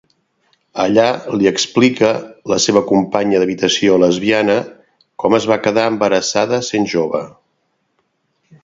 Allà li explica la seva companya d'habitació lesbiana com es va quedar embarassada sent jove.